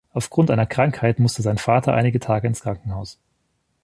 Aufgrund einer Krankheit musste sein Vater einige Tage ins Krankenhaus.